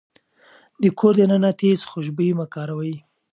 د کور دننه تيز خوشبويي مه کاروئ.